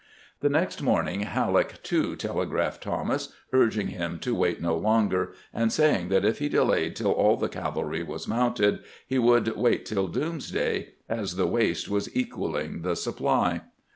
The next morning Halleck, too, telegraphed Thomas, urging him to wait no longer, and saying that if he delayed tUl all the cavalry was mounted he would wait tiU doomsday, as the waste was equaling the supply.